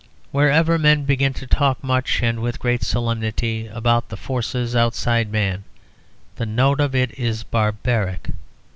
Wherever men begin to talk much and with great solemnity about the forces outside man, the note of it is barbaric.